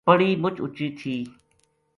پڑی مُچ اُچی تھی